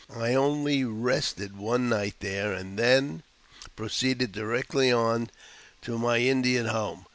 I only rested one night there, and then proceeded directly on to my Indian home.